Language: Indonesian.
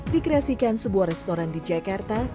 dikreasikan sebuah restoran di jakarta